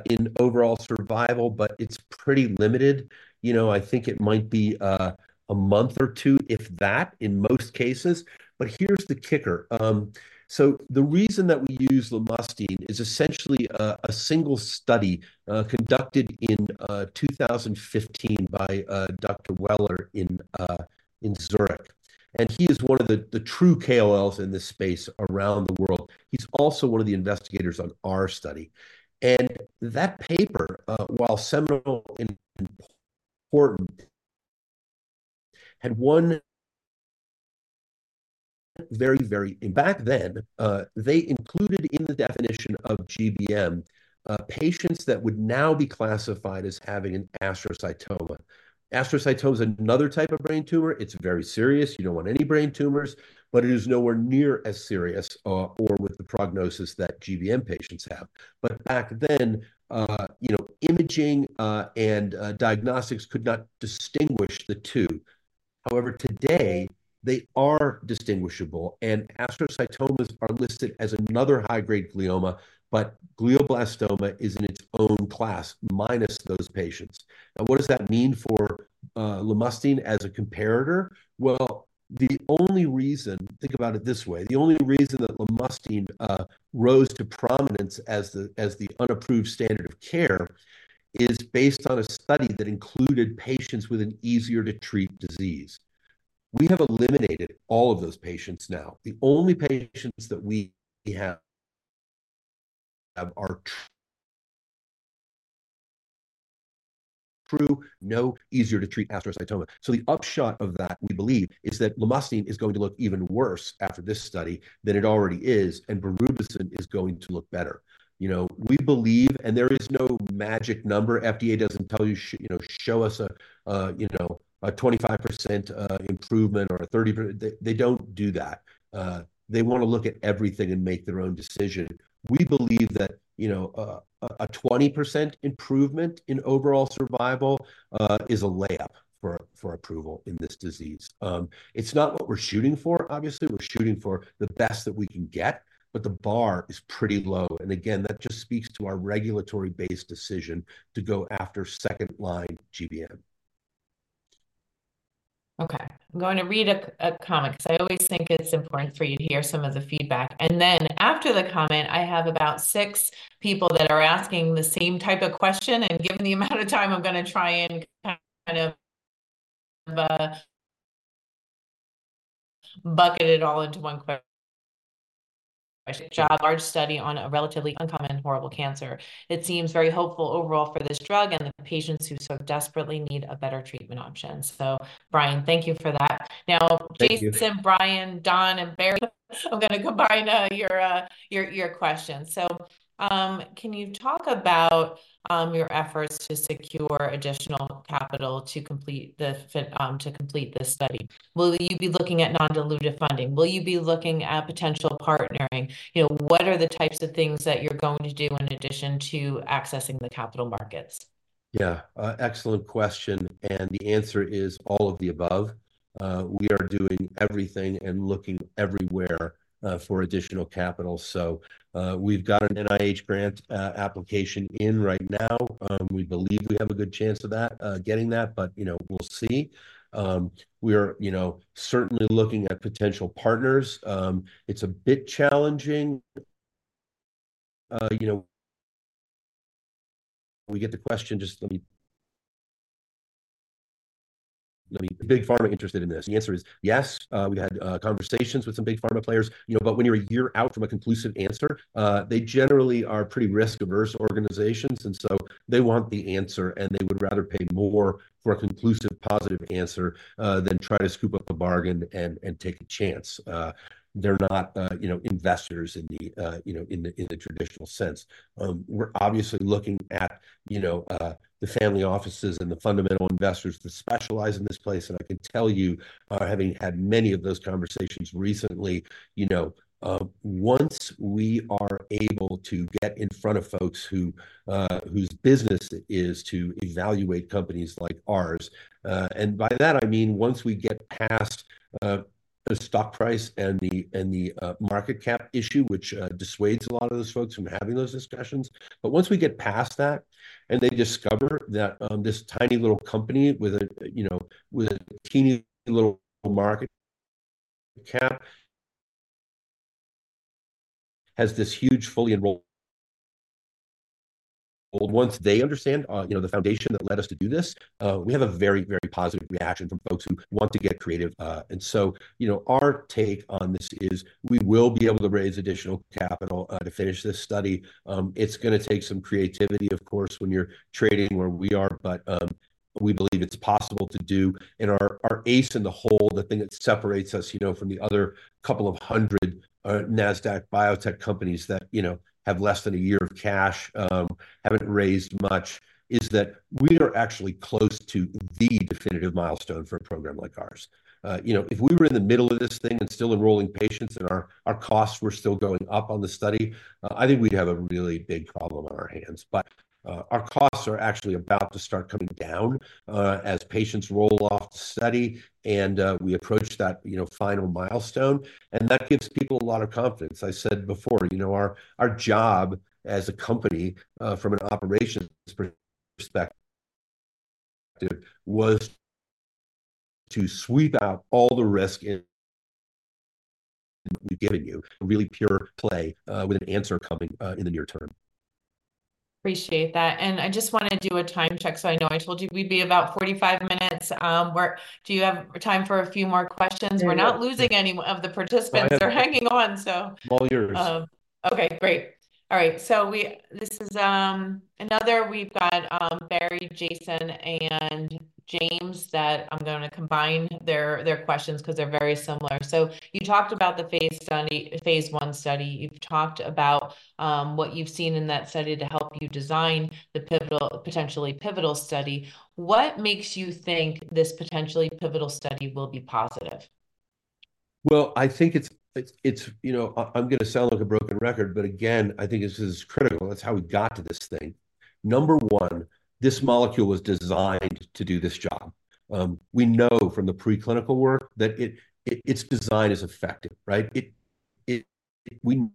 in overall survival, but it's pretty limited. You know, I think it might be, a month or two, if that, in most cases. But here's the kicker. So the reason that we use Lomustine is essentially, a single study, conducted in, 2015 by, Dr. Weller in Zurich. And he is one of the true KOLs in this space around the world. He's also one of the investigators on our study. And that paper, while seminal and important, had one very, very and back then, they included in the definition of GBM, patients that would now be classified as having an astrocytoma. Astrocytoma is another type of brain tumor. It's very serious. You don't want any brain tumors, but it is nowhere near as serious, or with the prognosis that GBM patients have. But back then, you know, imaging and diagnostics could not distinguish the two. However, today, they are distinguishable, and astrocytomas are listed as another high-grade glioma, but glioblastoma is in its own class, minus those patients. Now, what does that mean for Lomustine as a competitor? Well, the only reason, think about it this way. The only reason that Lomustine rose to prominence as the unapproved standard of care is based on a study that included patients with an easier-to-treat disease. We have eliminated all of those patients now. The only patients that we have are true, no easier-to-treat astrocytoma. So the upshot of that, we believe, is that Lomustine is going to look even worse after this study than it already is, and Berubicin is going to look better. You know, we believe and there is no magic number. FDA doesn't tell you, you know, show us a, you know, a 25% improvement or a 30%. They don't do that. They want to look at everything and make their own decision. We believe that, you know, a 20% improvement in overall survival is a layup for approval in this disease. It's not what we're shooting for, obviously. We're shooting for the best that we can get, but the bar is pretty low. And again, that just speaks to our regulatory-based decision to go after second-line GBM. Okay. I'm going to read a comment because I always think it's important for you to hear some of the feedback. And then after the comment, I have about six people that are asking the same type of question. And given the amount of time, I'm going to try and kind of bucket it all into one question. John, large study on a relatively uncommon, horrible cancer. It seems very hopeful overall for this drug and the patients who so desperately need a better treatment option. So, Brian, thank you for that. Now, Jason, Brian, Don, and Barry, I'm going to combine your questions. So, can you talk about your efforts to secure additional capital to complete this study? Will you be looking at non-dilutive funding? Will you be looking at potential partnering? You know, what are the types of things that you're going to do in addition to accessing the capital markets? Yeah, excellent question. And the answer is all of the above. We are doing everything and looking everywhere for additional capital. So, we've got an NIH grant application in right now. We believe we have a good chance of that, getting that, but, you know, we'll see. We are, you know, certainly looking at potential partners. It's a bit challenging. You know, we get the question, Big Pharma interested in this? The answer is yes. We've had conversations with some Big Pharma players, you know, but when you're a year out from a conclusive answer, they generally are pretty risk-averse organizations. And so they want the answer, and they would rather pay more for a conclusive, positive answer, than try to scoop up a bargain and take a chance. They're not, you know, investors in the traditional sense. We're obviously looking at, you know, the family offices and the fundamental investors that specialize in this space. And I can tell you, having had many of those conversations recently, you know, once we are able to get in front of folks whose business is to evaluate companies like ours, and by that, I mean, once we get past the stock price and the market cap issue, which dissuades a lot of those folks from having those discussions. But once we get past that and they discover that this tiny little company with, you know, a teeny little market cap has this huge fully enrolled once they understand, you know, the foundation that led us to do this, we have a very, very positive reaction from folks who want to get creative. So, you know, our take on this is we will be able to raise additional capital to finish this study. It's going to take some creativity, of course, when you're trading where we are, but we believe it's possible to do. Our ace in the hole, the thing that separates us, you know, from the other couple of hundred NASDAQ biotech companies that, you know, have less than a year of cash, haven't raised much, is that we are actually close to the definitive milestone for a program like ours. You know, if we were in the middle of this thing and still enrolling patients and our costs were still going up on the study, I think we'd have a really big problem on our hands. But our costs are actually about to start coming down, as patients roll off the study and we approach that, you know, final milestone. And that gives people a lot of confidence. I said before, you know, our job as a company, from an operations perspective, was to sweep out all the risk in what we've given you. Really pure play, with an answer coming, in the near term. Appreciate that. And I just want to do a time check. So I know I told you we'd be about 45 minutes. Where do you have time for a few more questions? We're not losing any of the participants. They're hanging on, so. All yours. Okay, great. All right. So, this is another. We've got Barry, Jason, and James that I'm going to combine their questions because they're very similar. So you talked about the phase I study. You've talked about what you've seen in that study to help you design the pivotal, potentially pivotal study. What makes you think this potentially pivotal study will be positive? Well, I think it's, you know, I'm going to sound like a broken record, but again, I think this is critical. That's how we got to this thing. Number one, this molecule was designed to do this job. We know from the preclinical work that it's designed as effective, right? We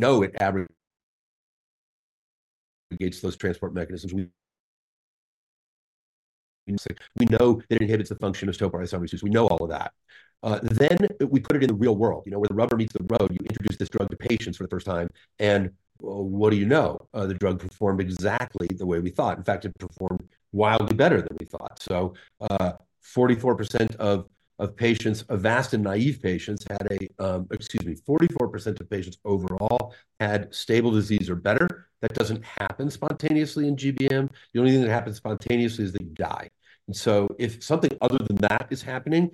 know it aggregates those transport mechanisms. We know it inhibits the function of topoisomerase. We know all of that. Then we put it in the real world, you know, where the rubber meets the road. You introduce this drug to patients for the first time. And what do you know? The drug performed exactly the way we thought. In fact, it performed wildly better than we thought. So, 44% of patients, Avastin-naive patients, had a, excuse me, 44% of patients overall had stable disease or better. That doesn't happen spontaneously in GBM. The only thing that happens spontaneously is they die. And so if something other than that is happening,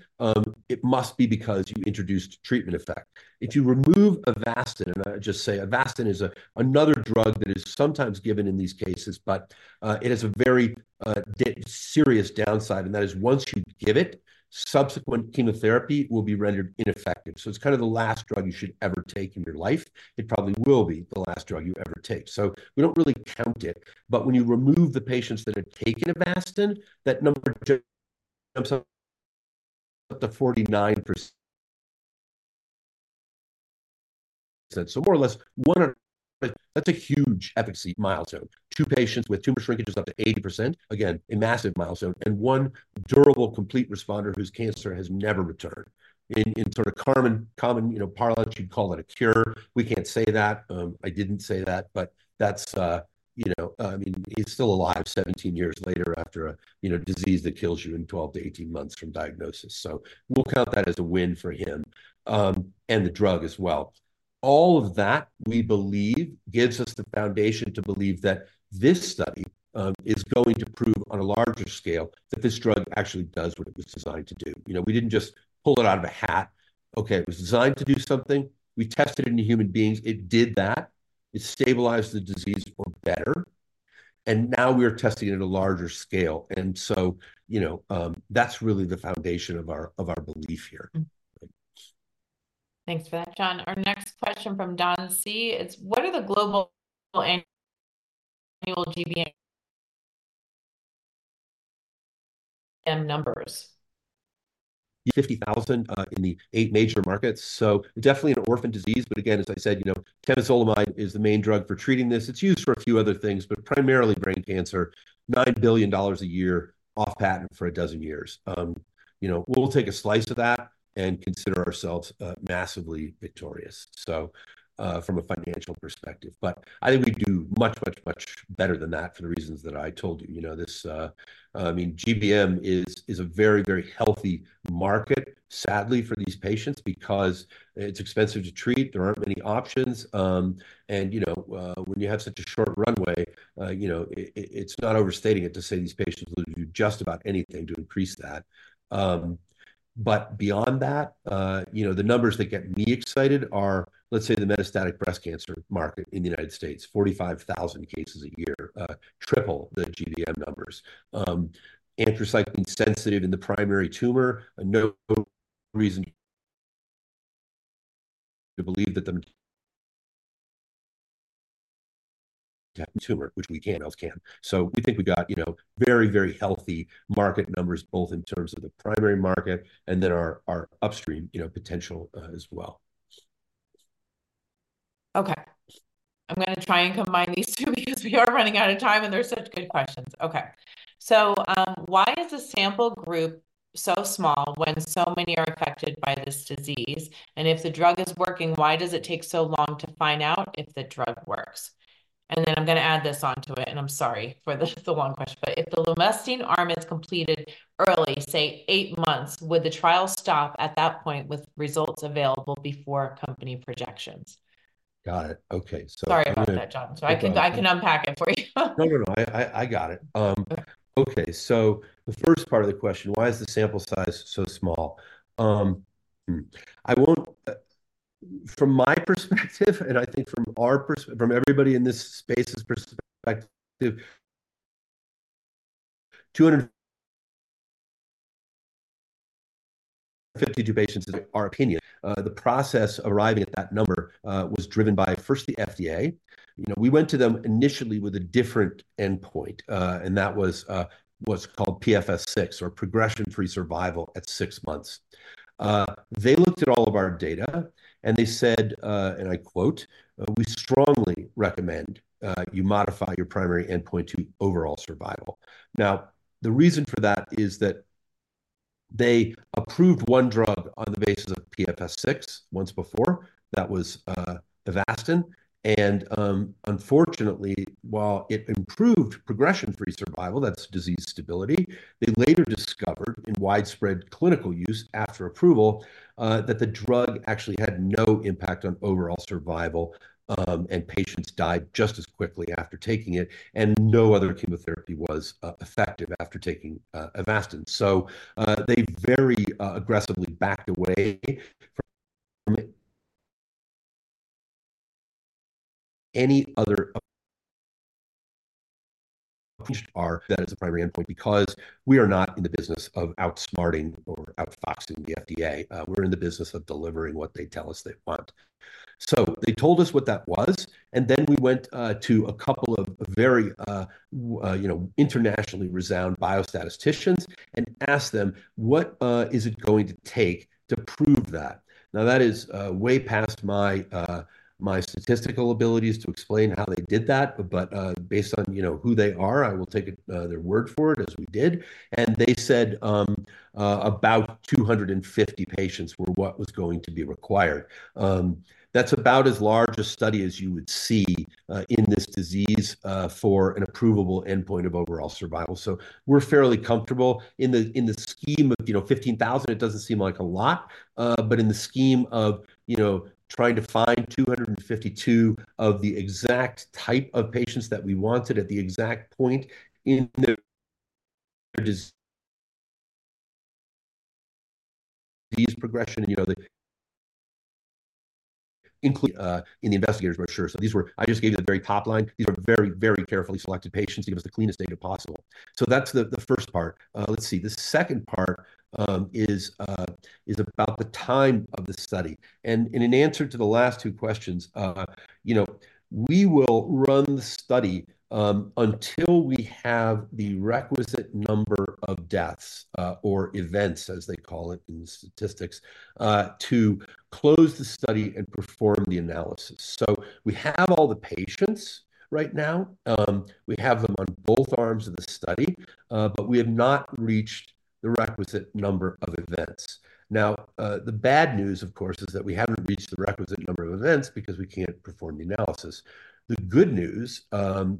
it must be because you introduced treatment effect. If you remove Avastin, and I just say Avastin is another drug that is sometimes given in these cases, but, it has a very, serious downside, and that is once you give it, subsequent chemotherapy will be rendered ineffective. So it's kind of the last drug you should ever take in your life. It probably will be the last drug you ever take. So we don't really count it. But when you remove the patients that had taken Avastin, that number jumps up to 49%. So more or less, one, that's a huge efficacy milestone. Two patients with tumor shrinkages up to 80%. Again, a massive milestone. And one durable, complete responder whose cancer has never returned in sort of common, you know, parlance, you'd call that a cure. We can't say that. I didn't say that, but that's, you know, I mean, he's still alive 17 years later after a, you know, disease that kills you in 12-18 months from diagnosis. So we'll count that as a win for him, and the drug as well. All of that, we believe, gives us the foundation to believe that this study is going to prove on a larger scale that this drug actually does what it was designed to do. You know, we didn't just pull it out of a hat. Okay, it was designed to do something. We tested it in human beings. It did that. It stabilized the disease or better. And now we are testing it at a larger scale. And so, you know, that's really the foundation of our belief here. Thanks for that, John. Our next question from Don C is, what are the global annual GBM numbers? 50,000, in the eight major markets. So definitely an orphan disease. But again, as I said, you know, temozolomide is the main drug for treating this. It's used for a few other things, but primarily brain cancer, $9 billion a year off patent for a dozen years. You know, we'll take a slice of that and consider ourselves massively victorious, so, from a financial perspective. But I think we do much, much, much better than that for the reasons that I told you. You know, this, I mean, GBM is a very, very healthy market, sadly, for these patients because it's expensive to treat. There aren't many options. You know, when you have such a short runway, you know, it's not overstating it to say these patients lose just about anything to increase that. But beyond that, you know, the numbers that get me excited are, let's say, the metastatic breast cancer market in the United States, 45,000 cases a year, triple the GBM numbers. Anthracycline sensitive in the primary tumor, no reason to believe that them to have a tumor, which we can't else can. So we think we've got, you know, very, very healthy market numbers, both in terms of the primary market and then our our upstream, you know, potential, as well. Okay. I'm going to try and combine these two because we are running out of time and there's such good questions. Okay. So, why is the sample group so small when so many are affected by this disease? And if the drug is working, why does it take so long to find out if the drug works? And then I'm going to add this onto it. And I'm sorry for the long question. But if the Lomustine arm is completed early, say 8 months, would the trial stop at that point with results available before company projections? Got it. Okay. So I'm going to. Sorry about that, John. So I can I can unpack it for you. No, no, no. I got it. Okay. So the first part of the question, why is the sample size so small? I want from my perspective, and I think from our perspective, from everybody in this space's perspective, 252 patients is our opinion. The process of arriving at that number was driven first by the FDA. You know, we went to them initially with a different endpoint, and that was what's called PFS6 or progression-free survival at six months. They looked at all of our data and they said, and I quote, "We strongly recommend you modify your primary endpoint to overall survival." Now, the reason for that is that they approved one drug on the basis of PFS6 once before. That was Avastin. Unfortunately, while it improved progression-free survival, that's disease stability, they later discovered in widespread clinical use after approval, that the drug actually had no impact on overall survival, and patients died just as quickly after taking it. No other chemotherapy was effective after taking Avastin. So, they very aggressively backed away from any other approach that is a primary endpoint because we are not in the business of outsmarting or outfoxing the FDA. We're in the business of delivering what they tell us they want. So they told us what that was. Then we went to a couple of very, you know, internationally renowned biostatisticians and asked them, "What is it going to take to prove that?" Now, that is way past my statistical abilities to explain how they did that. But based on, you know, who they are, I will take their word for it as we did. And they said about 250 patients were what was going to be required. That's about as large a study as you would see in this disease for an approvable endpoint of overall survival. So we're fairly comfortable in the scheme of, you know, 15,000. It doesn't seem like a lot, but in the scheme of, you know, trying to find 252 of the exact type of patients that we wanted at the exact point in their disease progression and, you know, including in the investigator's brochure. So these were. I just gave you the very top line. These are very, very carefully selected patients to give us the cleanest data possible. So that's the first part. Let's see. The second part is about the time of the study. In an answer to the last two questions, you know, we will run the study until we have the requisite number of deaths, or events, as they call it in statistics, to close the study and perform the analysis. We have all the patients right now. We have them on both arms of the study, but we have not reached the requisite number of events. Now, the bad news, of course, is that we haven't reached the requisite number of events because we can't perform the analysis. The good news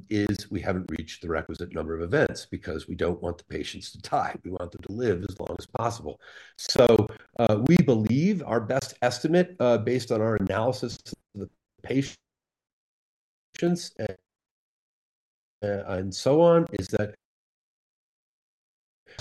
is we haven't reached the requisite number of events because we don't want the patients to die. We want them to live as long as possible. So, we believe our best estimate, based on our analysis of the patients and so on, is that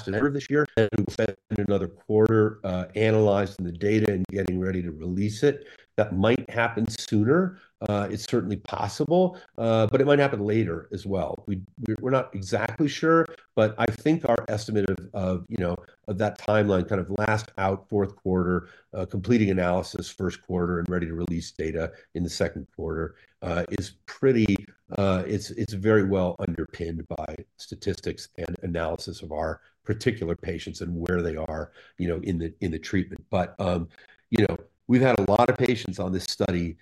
in the end of this year, and we'll spend another quarter, analyzing the data and getting ready to release it. That might happen sooner. It's certainly possible, but it might happen later as well. We're not exactly sure, but I think our estimate of, you know, of that timeline, kind of last out fourth quarter, completing analysis first quarter and ready to release data in the second quarter, is pretty, it's very well underpinned by statistics and analysis of our particular patients and where they are, you know, in the treatment. But, you know, we've had a lot of patients on this study,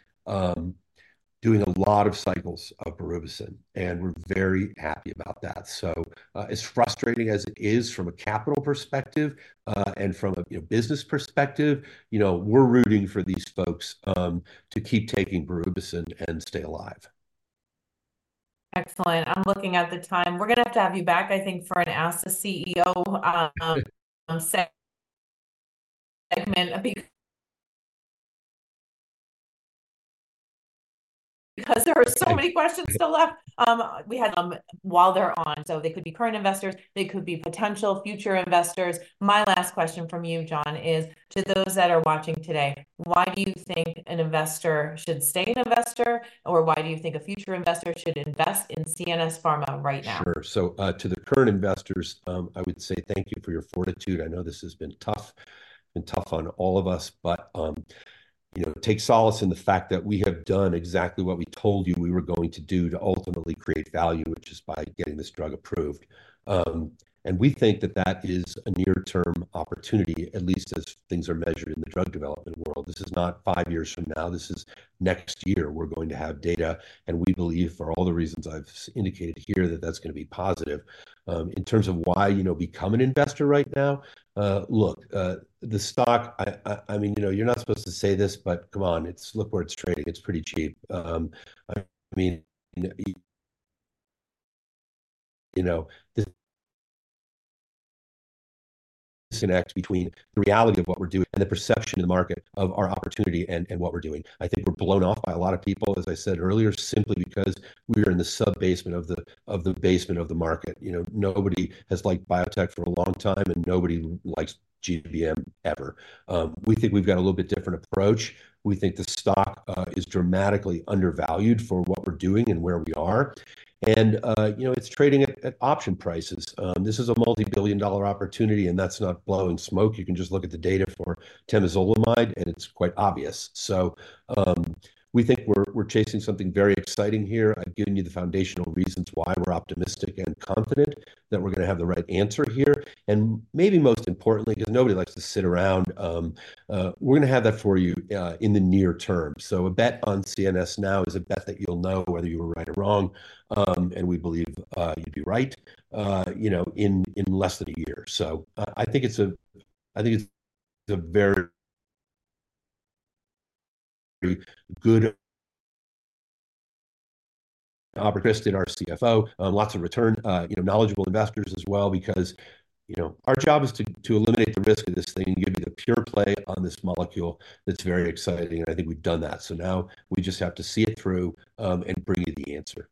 doing a lot of cycles of Berubicin. And we're very happy about that. So, as frustrating as it is from a capital perspective, and from a, you know, business perspective, you know, we're rooting for these folks to keep taking Berubicin and stay alive. Excellent. I'm looking at the time. We're going to have to have you back, I think, for an ask the CEO segment because there are so many questions still left we had while they're on. So they could be current investors. They could be potential future investors. My last question from you, John, is to those that are watching today, why do you think an investor should stay an investor, or why do you think a future investor should invest in CNS Pharma right now? Sure. So, to the current investors, I would say thank you for your fortitude. I know this has been tough. It's been tough on all of us, but, you know, take solace in the fact that we have done exactly what we told you we were going to do to ultimately create value, which is by getting this drug approved. And we think that that is a near-term opportunity, at least as things are measured in the drug development world. This is not five years from now. This is next year. We're going to have data. And we believe, for all the reasons I've indicated here, that that's going to be positive. In terms of why, you know, become an investor right now, look, the stock, I I mean, you know, you're not supposed to say this, but come on. It's look where it's trading. It's pretty cheap. I mean, you know, this is going to act between the reality of what we're doing and the perception in the market of our opportunity and what we're doing. I think we're blown off by a lot of people, as I said earlier, simply because we are in the subbasement of the basement of the market. You know, nobody has liked biotech for a long time, and nobody likes GBM ever. We think we've got a little bit different approach. We think the stock is dramatically undervalued for what we're doing and where we are. And, you know, it's trading at option prices. This is a multi-billion-dollar opportunity, and that's not blowing smoke. You can just look at the data for Temozolomide, and it's quite obvious. So, we think we're chasing something very exciting here. I've given you the foundational reasons why we're optimistic and confident that we're going to have the right answer here. And maybe most importantly, because nobody likes to sit around, we're going to have that for you, in the near term. So a bet on CNS now is a bet that you'll know whether you were right or wrong. And we believe, you'd be right, you know, in less than a year. So, I think it's a very good opportunity. It offers lots of return, you know, to knowledgeable investors as well because, you know, our job is to eliminate the risk of this thing and give you the pure play on this molecule that's very exciting. And I think we've done that. So now we just have to see it through, and bring you the answer.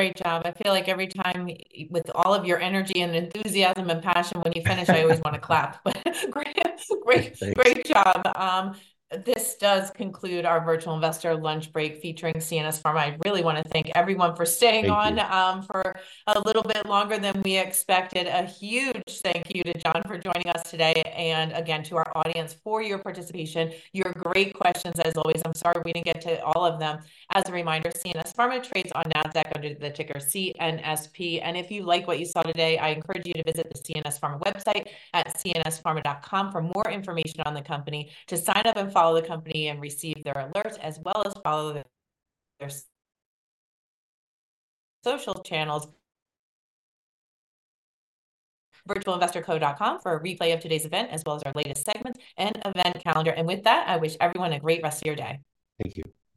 Great job. I feel like every time with all of your energy and enthusiasm and passion, when you finish, I always want to clap. But great. Great. Great job. This does conclude our virtual investor lunch break featuring CNS Pharma. I really want to thank everyone for staying on, for a little bit longer than we expected. A huge thank you to John for joining us today. And again, to our audience for your participation, your great questions, as always. I'm sorry we didn't get to all of them. As a reminder, CNS Pharma trades on NASDAQ under the ticker CNSP. If you like what you saw today, I encourage you to visit the CNS Pharma website at cnspharma.com for more information on the company, to sign up and follow the company and receive their alerts, as well as follow their social channels, virtualinvestorco.com, for a replay of today's event, as well as our latest segments and event calendar. And with that, I wish everyone a great rest of your day. Thank you.